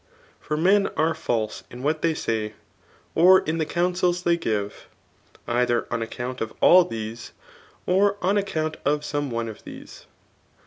For men tae false in what they say, or in the counsels they give, ekher on account of all these, or on account of some one of these.